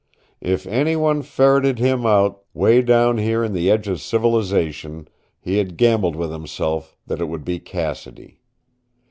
If anyone ferreted him out way down here on the edge of civilization he had gambled with himself that it would be Cassidy.